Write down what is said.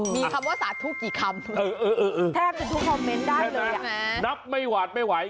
มีคำว่าสาธุกี่คำแทบจะทุกคอมเมนต์ได้เลยนับไม่หวาดไม่ไหว